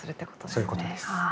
そういうことです。